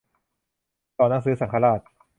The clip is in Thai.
สอนหนังสือสังฆราช